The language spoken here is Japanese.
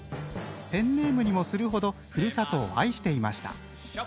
ペンネームにもするほどふるさとを愛していました。